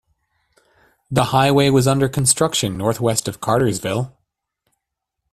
The highway was under construction northwest of Cartersville.